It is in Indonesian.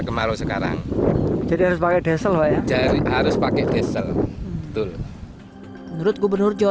kemarau sekarang jadi harus pakai diesel jadi harus pakai diesel betul menurut gubernur jawa